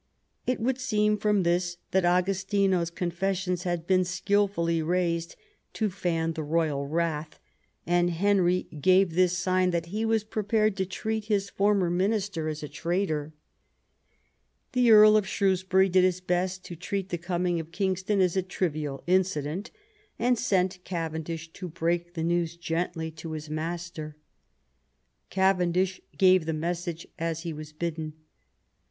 It would seem from this that Agostino's con fessions had been skilfully raised to fan . the royal wrath, and Henry gave this sign that he was prepared to treat his former minister as a traitor. The Earl of Shrewsbury did his best to treat the coming of King ston as a trivial incident, and sent Cavendish to break the news gently to his master. Cavendish gave the message as he was bidden.